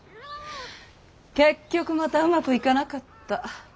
結局またうまくいかなかった。